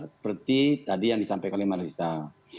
seperti tadi yang disampaikan oleh mas gisal